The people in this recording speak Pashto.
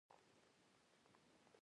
د افغانستان په شان غریب هیواد